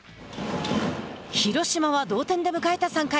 広島は同点で迎えた３回。